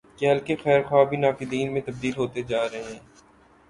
کل کے خیر خواہ بھی ناقدین میں تبدیل ہوتے جارہے ہیں۔